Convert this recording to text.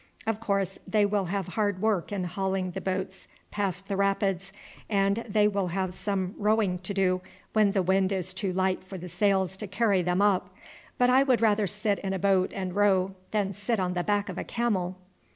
Of course they will have hard work in hauling the boats past the rapids, and they will have some rowing to do when the wind is too light for the sails to carry them up, but I would rather sit in a boat and row than sit on the back of a camel."